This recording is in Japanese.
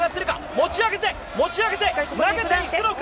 持ち上げて、持ち上げて投げていくのか？